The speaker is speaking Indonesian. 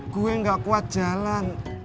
gue nggak kuat jalan